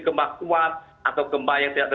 gempa kuat atau gempa yang tidak